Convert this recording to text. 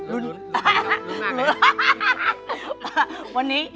รุนมากเลย